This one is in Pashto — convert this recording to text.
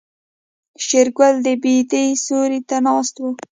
شېرګل د بيدې سيوري ته ناست و.